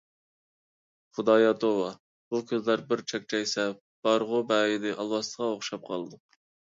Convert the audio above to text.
خۇدايا توۋا، بۇ كۆزلەر بىر چەكچەيسە بارغۇ بەئەينى ئالۋاستىغا ئوخشاپ قالىدۇ.